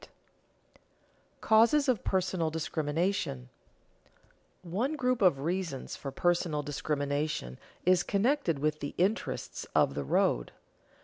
[Sidenote: Causes of personal discrimination] One group of reasons for personal discrimination is connected with the interests of the road.